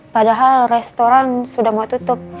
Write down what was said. padahal restoran sudah mau tutup